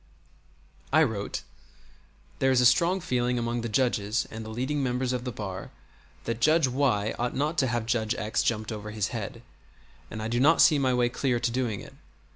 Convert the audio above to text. I wrote: "There is a strong feeling among the judges and the leading members of the bar that Judge Y ought not to have Judge X jumped over his head, and I do not see my way clear to doing it.